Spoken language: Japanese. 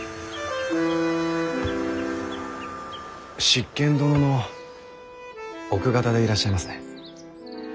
執権殿の奥方でいらっしゃいますね。